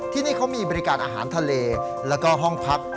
ที่นี่เขามีบริการอาหารทะเลแล้วก็ห้องพัก